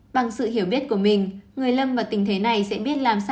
bằng sự hiểu biết của mình người lâm vào tình thế này sẽ biết làm sao